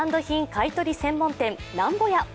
買い取り専門店・なんぼや。